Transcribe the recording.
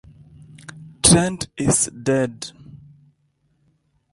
Trend Is Dead!